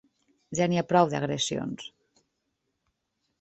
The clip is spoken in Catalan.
Ja n’hi ha prou d’agressions.